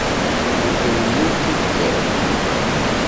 Llant rennunt tifyar.